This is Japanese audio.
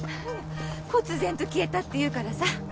忽然と消えたっていうからさ。